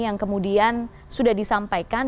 yang kemudian sudah disampaikan